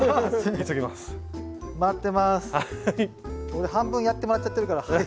俺半分やってもらっちゃってるから早い。